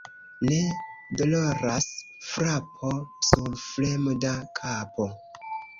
Ne doloras frapo sur fremda kapo.